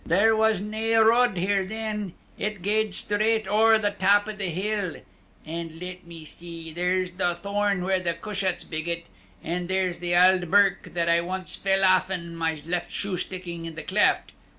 There was nae road here then; it gaed straight ower the tap o' the hill. An' let me see there's the thorn where the cushats biggit; an' there's the auld birk that I ance fell aff an' left my shoe sticking i' the cleft.